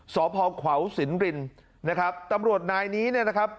สพขวาวสินรินนะครับตำรวจนายนี้เนี่ยนะครับ